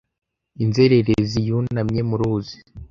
Inzererezi yunamye mu ruzi